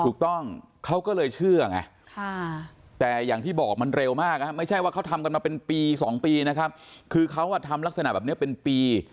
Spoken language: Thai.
ถูกต้องเขาก็เลยเชื่อไงแต่อย่างที่บอกมันเร็วมากไม่ใช่ว่าเขาทำกันมาเป็นปี๒ปีนะครับคือเขาทำลักษณะแบบนี้เป็นปี